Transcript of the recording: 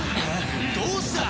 どうした？